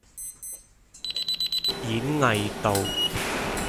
演藝道